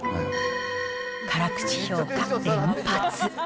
辛口評価連発。